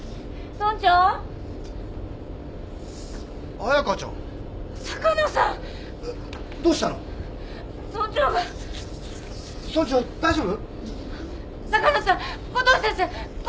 村長大丈夫？